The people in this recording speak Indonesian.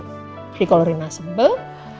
tapi kalo rena sembel